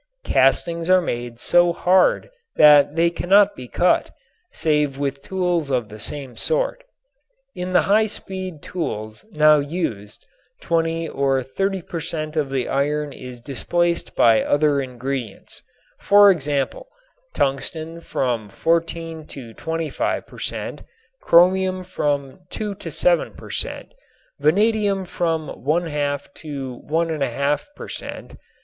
Castings are made so hard that they cannot be cut save with tools of the same sort. In the high speed tools now used 20 or 30 per cent, of the iron is displaced by other ingredients; for example, tungsten from 14 to 25 per cent., chromium from 2 to 7 per cent., vanadium from 1/2 to 1 1/2 per cent.